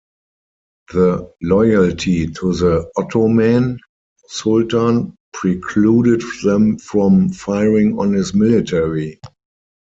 Their loyalty to the Ottoman sultan precluded them from firing on his military.